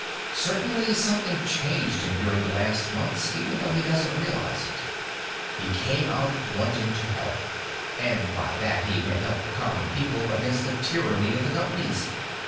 Certainly something changed him during the last months, even though he doesn't realize it. He came out wanting to help and by that, he meant help the common people against the "tyranny" of the Companies.